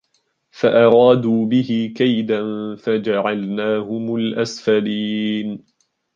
فَأَرَادُوا بِهِ كَيْدًا فَجَعَلْنَاهُمُ الْأَسْفَلِينَ